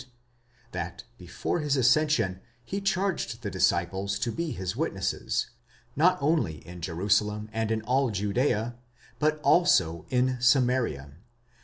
8), that before his ascension he charged the disciples to be his witnesses, not only in Jerusalem and in all Judea, but also in Samaria.